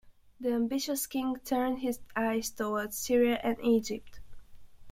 The ambitious king turned his eyes toward Syria and Egypt.